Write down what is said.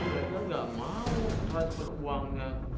mereka gak mau transfer uangnya